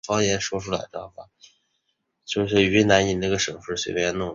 鲁尔是位于美国阿肯色州卡罗尔县的一个非建制地区。